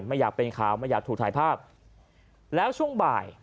ไม่อยากเป็นข่าวไม่อยากถูกถ่ายภาพแล้วช่วงบ่าย